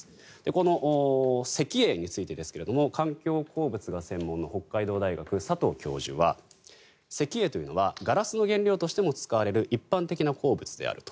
この石英についてですが環境鉱物が専門の北海道大学、佐藤教授は石英というのはガラスの原料としても使われる一般的な鉱物であると。